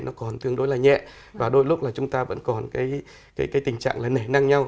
nó còn tương đối là nhẹ và đôi lúc là chúng ta vẫn còn tình trạng nể năng nhau